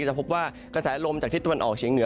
จะพบว่ากระแสลมจากทิศตะวันออกเฉียงเหนือ